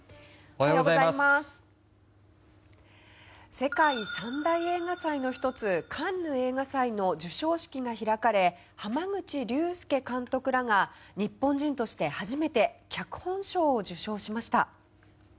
世界三大映画祭の１つカンヌ映画祭の授賞式が開かれ濱口竜介監督らが日本人として初めて脚本賞を受賞しました。